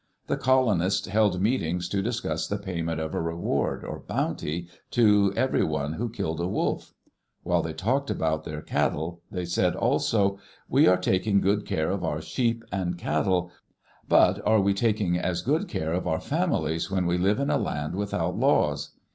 The colonists held meetings to discuss the payment of a reward, or bounty, to everyone who killed a wolf. While they talked about their cattle, they said also, "We are taking good care of our sheep and cattle, but are we taking as good care of our families when we live in a land without laws?"